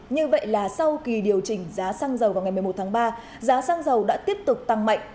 như vậy là sau kỳ điều chỉnh giá xăng dầu vào ngày một mươi một tháng ba giá xăng dầu đã tiếp tục tăng mạnh